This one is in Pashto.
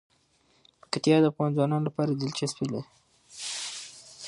پکتیا د افغان ځوانانو لپاره دلچسپي لري.